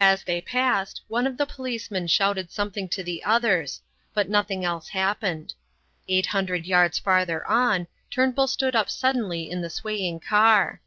As they passed, one of the policemen shouted something to the others; but nothing else happened. Eight hundred yards farther on, Turnbull stood up suddenly in the swaying car.